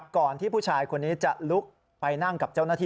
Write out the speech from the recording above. ก่อนที่ผู้ชายคนนี้จะลุกไปนั่งกับเจ้าหน้าที่